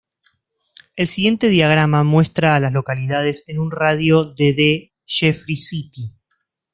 El siguiente diagrama muestra a las localidades en un radio de de Jeffrey City.